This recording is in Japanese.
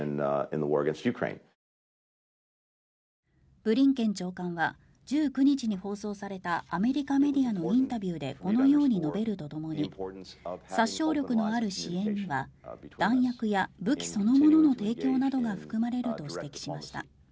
ブリンケン長官は１９日に放送されたアメリカメディアのインタビューでこのように述べるとともに殺傷力のある支援には弾薬や武器そのものの提供などが含まれると指摘しました。